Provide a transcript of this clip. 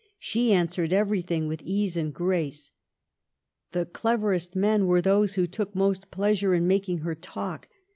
She answered everything with ease and grace. ... The cleverest men were those who took most pleasure in making her talk.